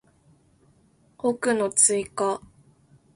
語句の追加